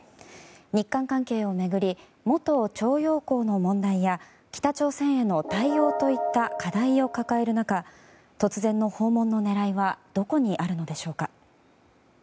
日韓関係を巡り元徴用工の問題や北朝鮮への対応といった課題を抱える中突然の訪問の狙いはどこにあるのでしょうか。